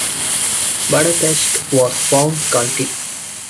Budapest was found guilty.